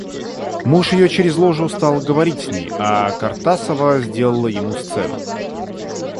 Муж ее через ложу стал говорить с ней, а Картасова сделала ему сцену.